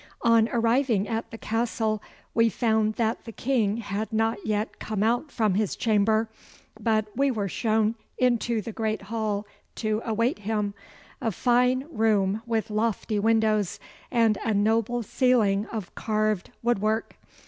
On arriving at the Castle we found that the King had not yet come out from his chamber, but we were shown into the great hall to await him, a fine room with lofty windows and a noble ceiling of carved woodwork.